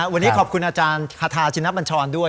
วันนี้ขอบคุณอาจารย์คาทาชินบัญชรด้วย